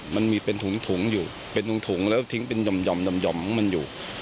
มันมีเป็นถุงอยู่เป็นถุงแล้วทิ้งเป็นห่อมมันอยู่